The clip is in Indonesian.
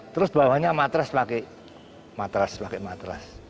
terus bawahnya matras pakai matras